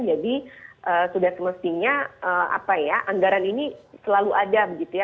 jadi sudah semestinya apa ya anggaran ini selalu ada begitu ya